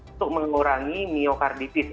untuk mengurangi myokarditis